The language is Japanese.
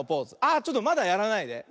あちょっとまだやらないで。